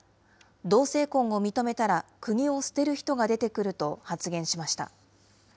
同性婚を認めたら国を捨てる人が出てくると発言しました。